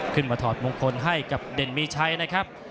ถอดมงคลให้กับเด่นมีชัยนะครับ